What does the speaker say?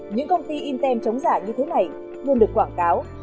những công ty intem chống giả như thế này luôn được quảng cáo